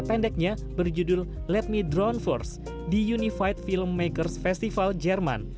pendeknya berjudul ⁇ let me drone force di unified filmmakers festival jerman